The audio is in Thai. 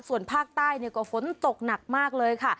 ส่วนภาคใต้ก็ฝนตกหนักมากเลยค่ะ